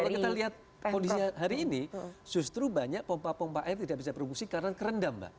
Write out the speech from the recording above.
kalau kita lihat kondisi hari ini justru banyak pompa pompa air tidak bisa berfungsi karena kerendam mbak